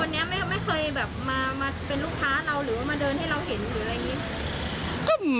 วันนี้ไม่เคยแบบมาเป็นลูกค้าเราหรือว่ามาเดินให้เราเห็นหรืออะไรอย่างนี้